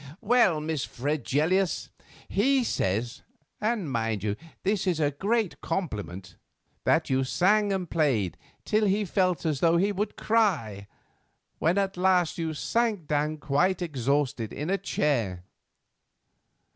"Well, Miss Fregelius, he says—and, mind you, this is a great compliment—that you sang and played till he felt as though he would cry when at last you sank down quite exhausted in a chair.